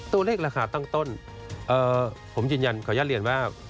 ตัวเลขราคาตั้งต้นผมยืนยันขออนุญาตเรียนว่า